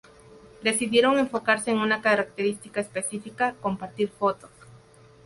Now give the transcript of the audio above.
Decidieron enfocarse en una característica específica, compartir fotos.